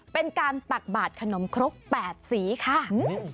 เป็นการตัดบาดขนมครกแปดสีค่ะ